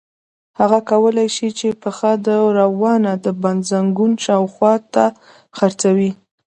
هغه کولای شي چې پښه د ورانه د بند زنګون شاوخوا ته څرخوي.